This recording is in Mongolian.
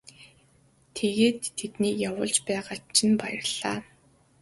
Тэгээд тэднийг явуулж байгаад чинь баярлалаа.